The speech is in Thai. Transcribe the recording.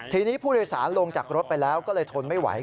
ทีนี้ผู้โดยสารลงจากรถไปแล้วก็เลยทนไม่ไหว